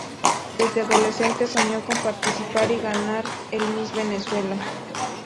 Desde adolescente soñó con participar y ganar el Miss Venezuela.